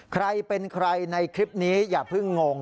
ใครเป็นใครในคลิปนี้อย่าเพิ่งงง